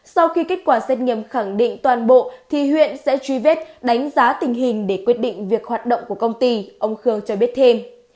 sau khi kết quả xét nghiệm khẳng định toàn bộ thì huyện sẽ truy vết đánh giá tình hình để quyết định việc hoạt động của công ty ông khương cho biết thêm